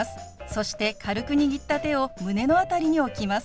そして軽く握った手を胸の辺りに置きます。